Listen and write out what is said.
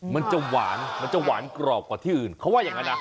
มันจะหวานมันจะหวานกรอบกว่าที่อื่นเขาว่าอย่างนั้นนะ